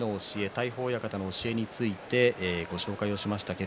大鵬親方の教えについてご紹介をしました。